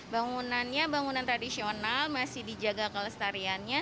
bangunannya bangunan tradisional masih dijaga kelestariannya